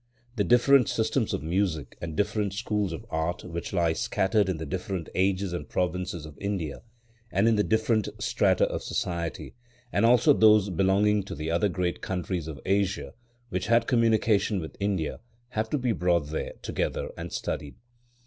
The different systems of music and different schools of art which lie scattered in the different ages and provinces of India, and in the different strata of society, and also those belonging to the other great countries of Asia, which had communication with India, have to be brought there together and studied.